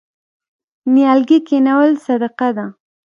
نیالګي کینول صدقه ده.